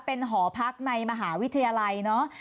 เป็นหอพักในมหาวิทยาลัยเนอะ